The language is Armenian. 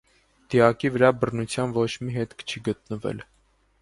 Դիակի վրա բռնության ոչ մի հետք չի գտնվել։